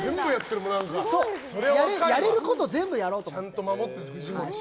やれること全部やろうと思って。